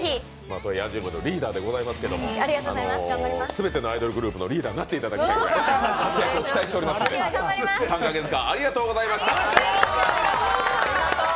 アンジュルムのリーダーでございますけどすべてのアイドルグループのリーダーになっていただきたいい、活躍を期待しておりますので３か月間ありがとうございました。